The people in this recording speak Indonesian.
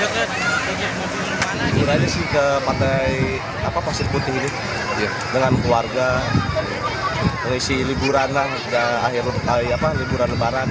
kita isi ke pantai pasir putih ini dengan keluarga isi liburan lah akhir liburan lebaran